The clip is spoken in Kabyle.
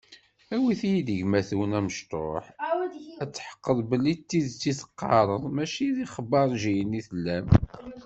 Awit-iyi-d gma-twen amecṭuḥ, ad tḥeqqeɣ belli d tidet i d-teqqarem, mačči d ixbaṛǧiyen i tellam.